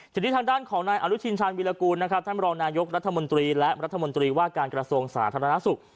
ทีนี้ทางด้านของนายอนุชินชาญวิรากูลนะครับท่านรองนายกรัฐมนตรีและรัฐมนตรีว่าการกระทรวงสาธารณสุข